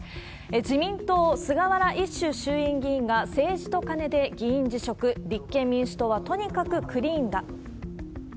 自民党、菅原一秀衆議院議員が政治とカネで議員辞職、立憲民主党はとにかくクリーンだ。